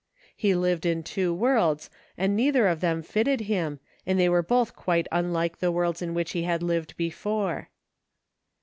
He lived in two worlds and neither jof them fitted him, and they were both quite unlike the worlds in which he had lived before.